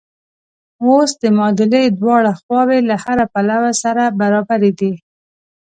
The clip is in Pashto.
اوس د معادلې دواړه خواوې له هره پلوه سره برابرې دي.